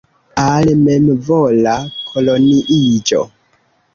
Al memvola koloniiĝo.